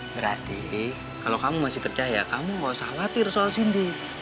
berarti kalau kamu masih percaya kamu gak usah khawatir soal cindy